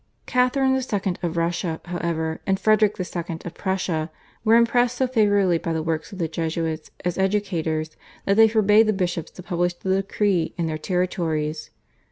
Catharine II. of Russia, however, and Frederick II. of Prussia were impressed so favourably by the work of the Jesuits as educators that they forbade the bishops to publish the decree in their territories.